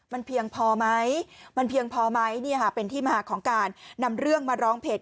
มันเพียงพอไหมมันเพียงพอไหมเนี่ยค่ะเป็นที่มาของการนำเรื่องมาร้องเพจ